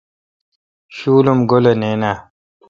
شُول ام گولے نان آ؟